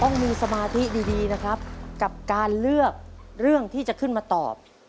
ต้องมีสมาธิดีนะครับกับการเลือกเรื่องที่จะขึ้นมาตอบ